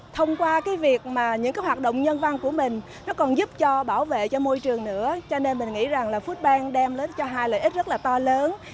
thông qua việc những hoạt động nhân văn của mình nó còn giúp bảo vệ cho môi trường nữa cho nên mình nghĩ là foodbank đem cho hai lợi ích rất to lớn